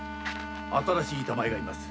新しい板前がいます。